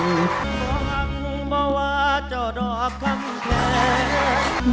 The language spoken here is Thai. ต้องหังวงเบาะเจ้าดอบคำแทน